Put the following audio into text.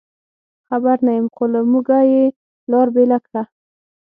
خبر نه یم، خو له موږه یې لار بېله کړه.